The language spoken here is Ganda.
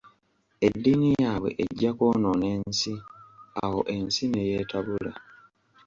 Eddiini yaabwe ejja kwonoona nsi, awo ensi ne yeetabula.